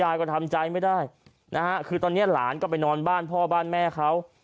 ก็ทำใจไม่ได้นะฮะคือตอนนี้หลานก็ไปนอนบ้านพ่อบ้านแม่เขา